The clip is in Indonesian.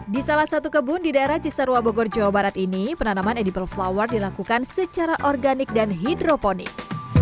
di salah satu kebun di daerah cisarua bogor jawa barat ini penanaman edible flower dilakukan secara organik dan hidroponis